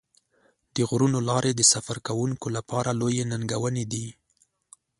د غرونو لارې د سفر کوونکو لپاره لویې ننګونې دي.